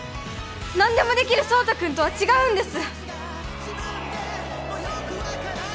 何でもできる奏汰君とは違うんです！